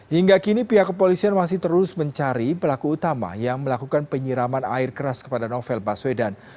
hingga kini pihak kepolisian masih terus mencari pelaku utama yang melakukan penyiraman air keras kepada novel baswedan